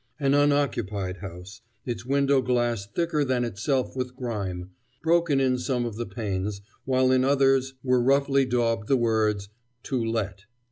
An unoccupied house: its window glass thicker than itself with grime, broken in some of the panes, while in others were roughly daubed the words: "To Let."